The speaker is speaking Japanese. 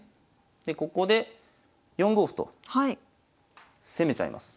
でここで４五歩と攻めちゃいます。